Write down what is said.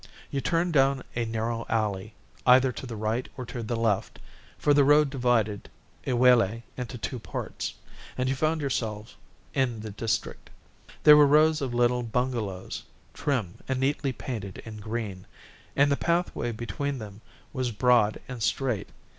You turned down a narrow alley, either to the right or to the left, for the road divided Iwelei into two parts, and you found yourself in the district. There were rows of little bungalows, trim and neatly painted in green, and the pathway between them was broad and straight.